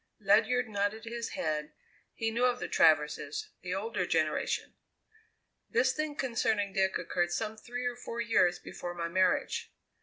Ledyard nodded his head; he knew of the Traverses the older generation. "This thing concerning Dick occurred some three or four years before my marriage.